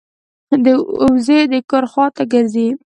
وزې د کور خوا ته ګرځي